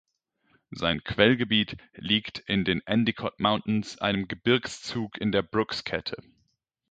Sein Quellgebiet liegt in den Endicott Mountains, einem Gebirgszug in der Brookskette.